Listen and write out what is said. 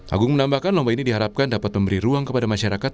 agung menambahkan lomba ini diharapkan dapat memberi ruang kepada masyarakat